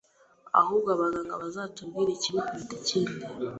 Ahubwo abaganga bazatubwire ikibi kuruta ikindi